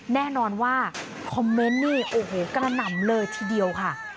แน่นอนว่าคอมเมนต์นี่โอ้โหกระหน่ำเลยทีเดียวค่ะ